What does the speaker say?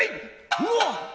「うわっ！」。